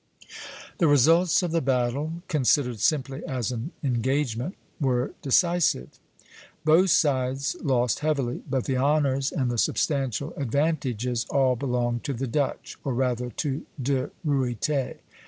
[Illustration: Pl. III.] The results of the battle, considered simply as an engagement, were indecisive; both sides lost heavily, but the honors and the substantial advantages all belonged to the Dutch, or rather to De Ruyter.